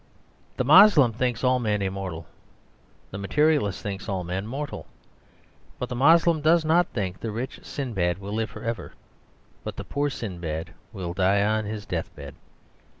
The Moslem thinks all men immortal: the Materialist thinks all men mortal. But the Moslem does not think the rich Sinbad will live forever; but the poor Sinbad will die on his deathbed.